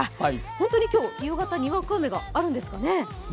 本当に今日、夕方にわか雨があるんですかね？